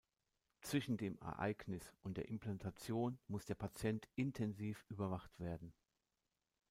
Zwischen dem Ereignis und der Implantation muss der Patient intensiv überwacht werden.